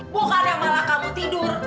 bukan yang malah kamu tidur